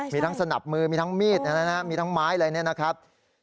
มีทั้งสนับมือมีทั้งมีดมีทั้งไม้อะไรนะครับ